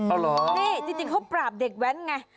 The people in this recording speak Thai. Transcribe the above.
เอาเหรอนี่จริงเขาปราบเด็กแว้นไง